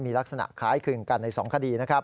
มีลักษณะคล้ายคลึงกันในสองคดี